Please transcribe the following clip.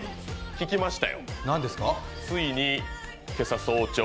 聞きました。